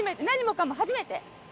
何もかも初めて。